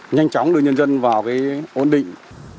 nhanh chóng đưa nhân dân vào ổn định